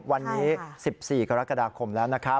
วันนี้๑๔กรกฎาคมแล้วนะครับ